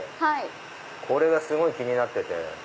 これがすごい気になってて。